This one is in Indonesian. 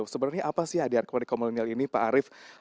sebenarnya apa sih hadiah kemilenial ini pak arief